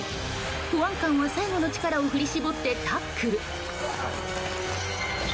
保安官は最後の力を振り絞ってタックル。